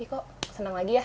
ih kok seneng lagi ya